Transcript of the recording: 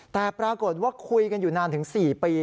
แต่ปรากฏว่าคุยกันอยู่นานถึง๔ปี